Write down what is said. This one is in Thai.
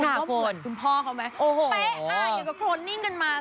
ตอนที่น้องนายทำท่าเมื่อกี้แคร่พึ่งก่อน๓๘๐๐ชั่น